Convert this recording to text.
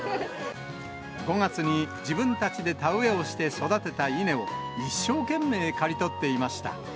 ５月に自分たちで田植えをして育てた稲を、一生懸命刈り取っていました。